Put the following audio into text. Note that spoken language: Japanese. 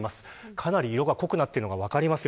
かなり色が濃くなっているのが分かります。